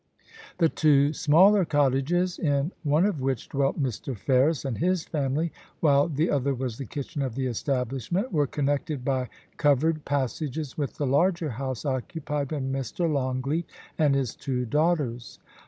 The two smaller cottages, in one of which dwelt Mr. Ferris and his family, while the other was the kitchen of the establishment, were connected by covered passages with the larger house occupied by Mr. Longleat and his two daughters.